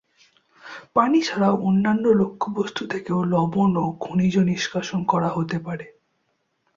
পানি ছাড়াও অন্যান্য লক্ষ্যবস্তু থেকেও লবণ ও খনিজ নিষ্কাশন করা হতে পারে।